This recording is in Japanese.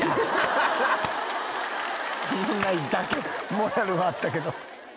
モラルはあったけど。